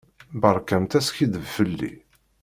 Beṛkamt askiddeb fell-i.